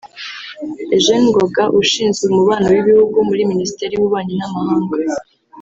Eugene Ngoga ushinzwe umubano w’ibihugu muri Minisiteri y’Ububanyi n’Amahanga